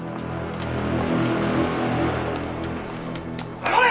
下がれ！